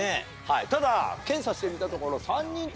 ただ検査してみたところ。